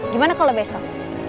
gimana kalau besok